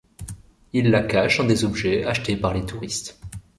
Ils la cachent dans des objets achetés par les touristes.